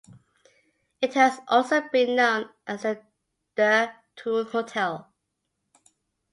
It has also been known as The Toone Hotel.